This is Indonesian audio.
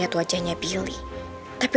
kamu jangan takut lagi